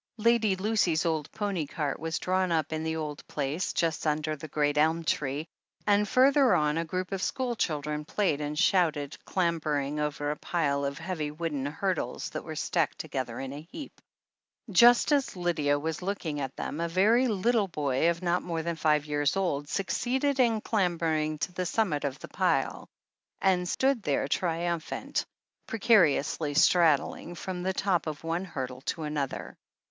Lady Lucy*s old pony cart was drawn up in the old place, just under the great elm tree, and further on a group of school children played and shouted, clamber ing over a pile of heavy wooden hurdles that were stacked together in a heap. Just as Lydia was looking at them, a very little boy of not more than five years old succeeded in clambering to the summit of the pile, and stool there triumphant, precariously straddling from the top of one hurdle to another.